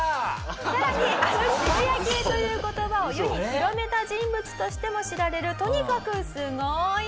さらにあの「渋谷系」という言葉を世に広めた人物としても知られるとにかくすごい人。